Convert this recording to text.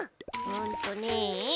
うんとね。